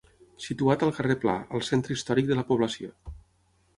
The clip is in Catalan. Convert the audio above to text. Situat al carrer Pla, al centre històric de la població.